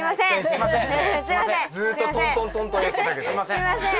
すいません！